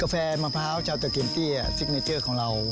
กาแฟมะพร้าวเจ้าเตอร์เคนตี้ซิกเนเจอร์ของเรา